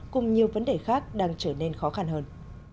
cùng nhiều vấn đề khác đang trở nên khó khăn hơn